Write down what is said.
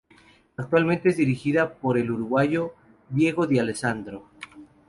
Actualmente es dirigida por el Uruguayo Diego D`Alessandro.